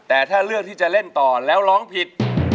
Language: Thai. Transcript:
แต่ถ้าเลือกที่จะเล่นต่อแล้วร้องผิด